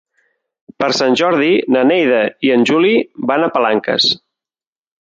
Per Sant Jordi na Neida i en Juli van a Palanques.